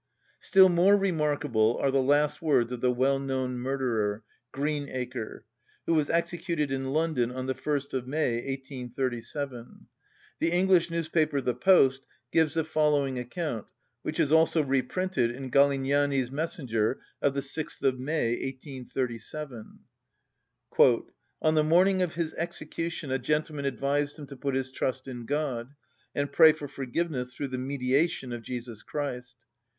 Still more remarkable are the last words of the well‐known murderer, Greenacre, who was executed in London on the 1st of May 1837. The English newspaper the Post gives the following account, which is also reprinted in Galignani's Messenger of the 6th of May 1837: "On the morning of his execution a gentleman advised him to put his trust in God, and pray for forgiveness through the mediation of Jesus Christ.